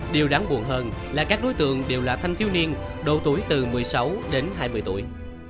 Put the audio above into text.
điều đáng buồn hơn là các đối tượng đều là thanh thiếu niên độ tuổi từ một mươi sáu đến hai mươi tuổi